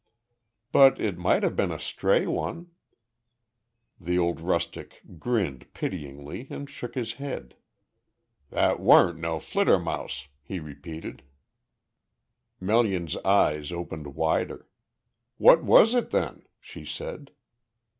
"But it might have been a stray one." The old rustic grinned pityingly and shook his head. "That warn't no flittermaouse," he repeated. Melian's eyes opened wider. "What was it, then?" she said.